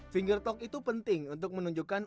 finger talk itu penting untuk menunjukkan